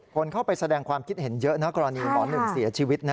คนเข้าไปแสดงความคิดเห็นเยอะนะกรณีหมอหนึ่งเสียชีวิต